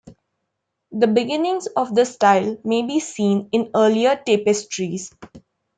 The beginnings of the style may be seen in earlier tapestries.